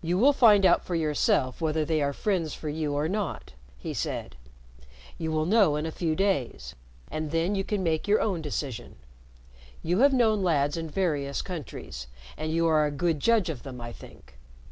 "You will find out for yourself whether they are friends for you or not," he said. "You will know in a few days, and then you can make your own decision. You have known lads in various countries, and you are a good judge of them, I think.